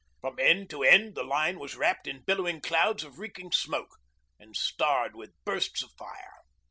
From end to end the line was wrapped in billowing clouds of reeking smoke, and starred with bursts of fire.